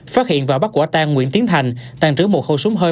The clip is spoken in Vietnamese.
phát hiện và bắt quả tang nguyễn tiến thành tàn trữ một khẩu súng hơi